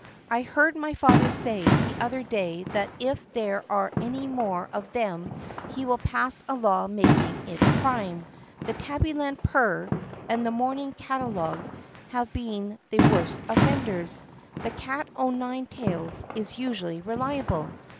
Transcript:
I heard my father say the other day that if there are any more of them he will pass a law making it a crime. 'The Tabbyland Purr' and 'The Morning Catalogue' have been the worst offenders. 'The Cat o' Nine Tales' is usually reliable."